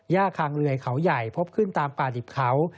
คางเลยเขาใหญ่พบขึ้นตามป่าดิบเขา